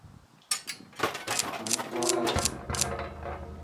مائي ڪول آئي هي.